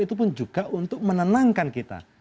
itu pun juga untuk menenangkan kita